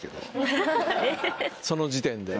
その時点で。